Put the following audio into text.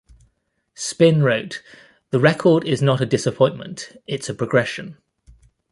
"Spin" wrote, "The record is not a disappointment, it's a progression.